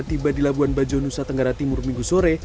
tiba di labuan bajo nusa tenggara timur minggu sore